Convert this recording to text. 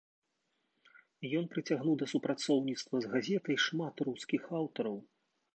Ён прыцягнуў да супрацоўніцтва з газетай шмат рускіх аўтараў.